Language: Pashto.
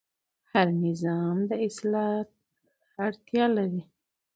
هر نظام د اصلاح اړتیا لري